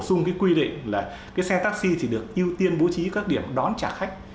sung cái quy định là cái xe taxi thì được ưu tiên bố trí các điểm đón trả khách